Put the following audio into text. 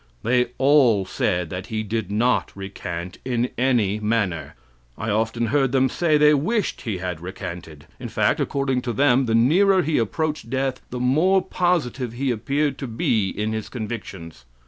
They all said that he did not recant in any manner. I often heard them say they wished he had recanted. In fact, according to them, the nearer he approached death the more positive he appeared to be in his convictions.